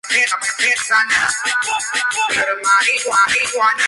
Se han descrito diversas formas de tratamiento.